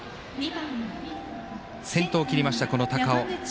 先頭を切りました、高尾。